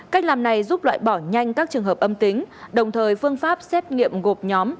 cách làm này giúp loại bỏ nhanh các trường hợp âm tính đồng thời phương pháp xét nghiệm gộp nhóm